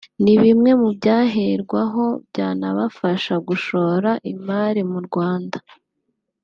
ni bimwe mu byaherwaho byanabafasha gushora imari mu Rwanda